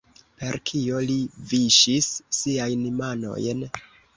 Per kio li viŝis siajn manojn?